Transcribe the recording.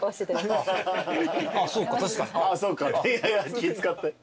気使って。